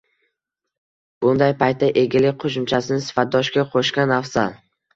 Bunday paytda egalik qoʻshimchasini sifatdoshga qoʻshgan afzal